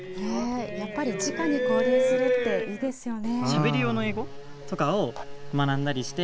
じかに交流するっていいですよね。